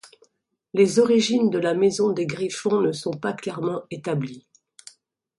Les origines de la Maison des Griffon ne sont pas clairement établies.